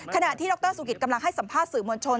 ขณะที่ดรสุกิตกำลังให้สัมภาษณ์สื่อมวลชน